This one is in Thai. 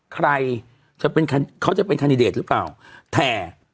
ใครจะเป็นเขาจะเป็นคันดิเดตหรือเปล่าแต่